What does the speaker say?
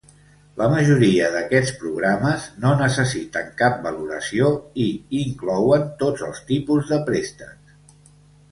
La majoria d'aquests programes no necessiten cap valoració i inclouen tots els tipus de préstecs.